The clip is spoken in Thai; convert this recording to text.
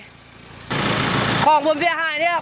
เหมือนกับตั้งใจจะเบรกให้รถกระบาดชนท้ายเขา